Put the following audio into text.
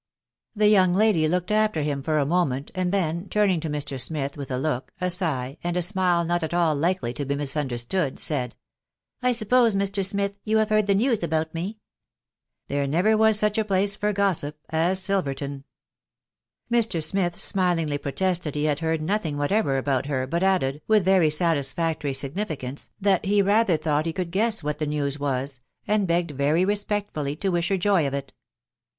The young lady looked after him for a moment, and then, turning to Mr. Smith with a look, a sigh, and a smile not at all likely to he misunderstood, said, —" I suppose, Mr. Smith, you have heard the news about me ?•... There never was such a place for gossip as Sil verton." Mr. Smith smilingly protested he had heard nothing what ever about her, but added, with very satisfactory significance, that he rather thought he could guess what the news was, and begged very respectfully to wish her joy of it.